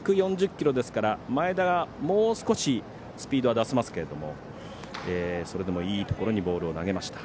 １４０キロですから前田がもう少しスピードは出せますけれどもそれでもいいところにボールを投げました。